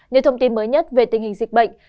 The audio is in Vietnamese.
những thông tin mới nhất về tình hình dịch bệnh